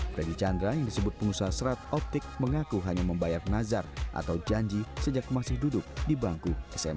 freddy chandra yang disebut pengusaha serat optik mengaku hanya membayar nazar atau janji sejak masih duduk di bangku sma